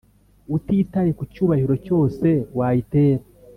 utitaye ku cyuhagiro cyose wayitera.